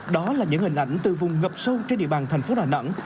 đó là những hình ảnh từ vùng ngập sâu trên địa bàn thành phố đà nẵng